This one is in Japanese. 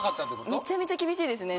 めちゃめちゃ厳しいですね